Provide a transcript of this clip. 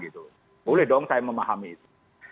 boleh dong saya memahami itu